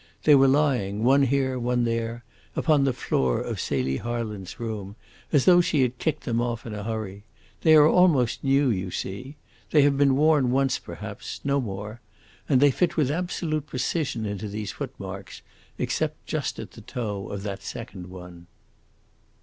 They were lying, one here, one there, upon the floor of Celie Harland's room, as though she had kicked them off in a hurry. They are almost new, you see. They have been worn once, perhaps, no more, and they fit with absolute precision into those footmarks, except just at the toe of that second one."